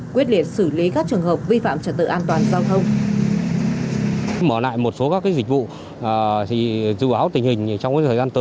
quyết liệt xử lý các trường hợp vi phạm trật tự an toàn giao thông